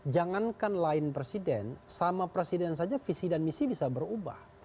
jangankan lain presiden sama presiden saja visi dan misi bisa berubah